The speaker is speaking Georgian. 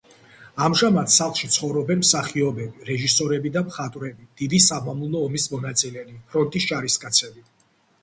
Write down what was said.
ამჟამად სახლში ცხოვრობენ მსახიობები, რეჟისორები და მხატვრები, დიდი სამამულო ომის მონაწილენი, ფრონტის ჯარისკაცები.